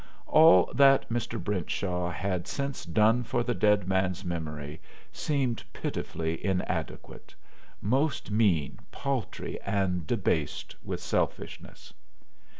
All that Mr. Brentshaw had since done for the dead man's memory seemed pitifully inadequate most mean, paltry, and debased with selfishness!